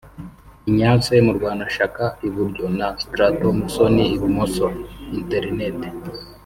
Ignace Murwanashyaka (Iburyo) na Straton Musoni (Ibumoso) (Internet)